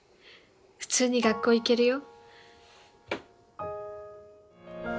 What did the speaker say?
普通に学校行けるよ。